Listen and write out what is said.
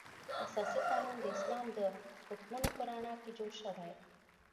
اساسي قانون د اسلام د حکمونو په رڼا کې جوړ شوی.